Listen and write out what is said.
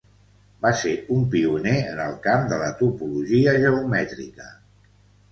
Va ser un pioner en el camp de la topologia geomètrica.